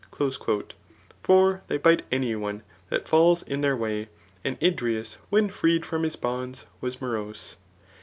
^ For they bite any one that falls in tbdf Way, and Idrieus when freed from his bonds was morose.